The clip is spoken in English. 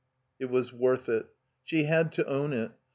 It was worth it. She had to own it.